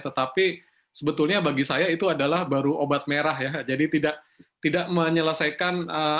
tetapi sebetulnya bagi saya itu adalah baru obat merah ya jadi tidak tidak menyelesaikan